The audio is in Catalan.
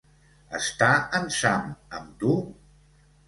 Està en Sam amb tu?